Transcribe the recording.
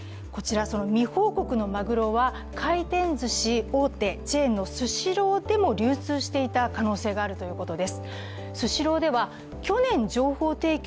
未報告のまぐろは回転ずし大手チェーンのスシローでも流通していた可能性があるということです。